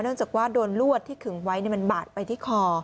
จากว่าโดนลวดที่ขึงไว้มันบาดไปที่คอ